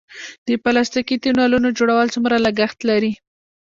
د پلاستیکي تونلونو جوړول څومره لګښت لري؟